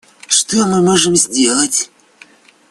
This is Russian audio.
Что мы можем сделать?